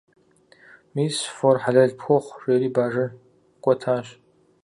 - Мис, фор хьэлэл пхухъу! - жери бажэр ӏукӏуэтащ.